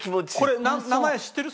これ名前知ってる？